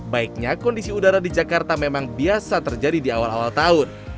baiknya kondisi udara di jakarta memang biasa terjadi di awal awal tahun